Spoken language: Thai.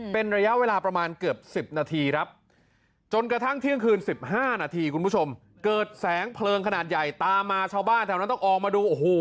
เป็นระยะเวลาประมาณเกือบ๑๐นาทีครับจนกระทั่งเที่ยงคืน๑๕นาทีคุณผู้ชมเกิดแสงเพลิงขนาดใหญ่ตามมาชาวบ้านแถวนั้นต้องออกมาดูโอ้โห